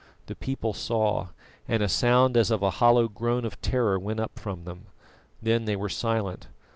The people saw, and a sound as of a hollow groan of terror went up from them. Then they were silent.